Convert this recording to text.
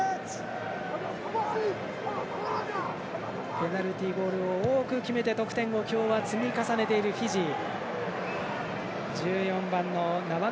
ペナルティゴールを多く決めて今日は得点を積み重ねているフィジー。